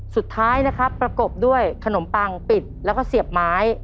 สุดท้ายนะครับประกบด้วยขนมปังปิดแล้วก็เสียบไม้